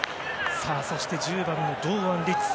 そして、１０番の堂安律。